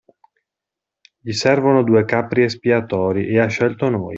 Gli servono due capri espiatori e ha scelto noi.